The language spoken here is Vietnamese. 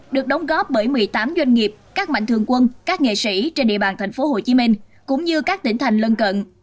được đóng góp bởi một mươi tám doanh nghiệp các mạnh thường quân các nghệ sĩ trên địa bàn tp hcm cũng như các tỉnh thành lân cận